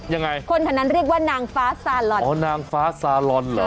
ยังไงคนแถวนั้นเรียกว่านางฟ้าซาลอนอ๋อนางฟ้าซาลอนเหรอ